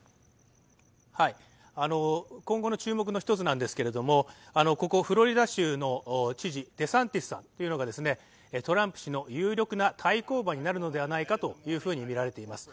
今後の注目の１つなんですけれども、ここフロリダ州の知事、デサンティスさんがトランプ氏の有力な対抗馬になるのではないかとみられています。